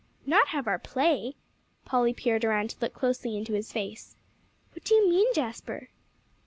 "Not have our play?" Polly peered around to look closely into his face. "What do you mean, Jasper?"